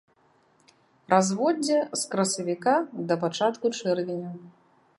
Разводдзе з красавіка да пачатку чэрвеня.